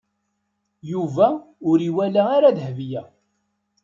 Yuba ur iwala ara Dahbiya.